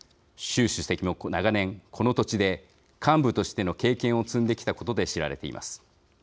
習主席も長年、この土地で幹部としての経験を積んできたことで知られています。